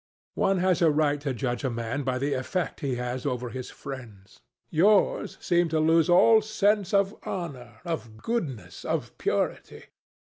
One has a right to judge of a man by the effect he has over his friends. Yours seem to lose all sense of honour, of goodness, of purity.